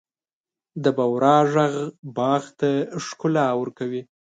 د بورا ږغ باغ ته ښکلا ورکوي.